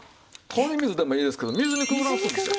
氷水でもいいですけど水にくぐらすんですよ。